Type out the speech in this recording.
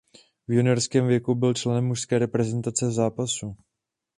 V juniorském věku byl členem mužské reprezentace v zápasu.